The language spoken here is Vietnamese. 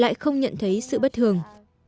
lại không nhận thấy sự bất thường